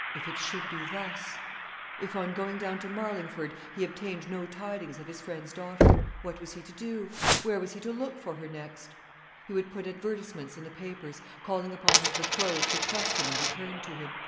If it should be thus: if, on going down to Marlingford, he obtained no tidings of his friend's daughter, what was he to do? Where was he to look for her next? He would put advertisements in the papers, calling upon his betrothed to trust him and return to him.